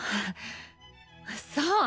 そう！